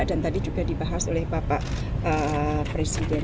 dan tadi juga dibahas oleh bapak presiden